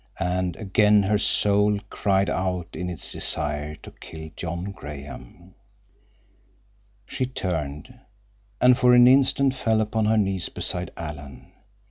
And again her soul cried out in its desire to kill John Graham. She turned, and for an instant fell upon her knees beside Alan.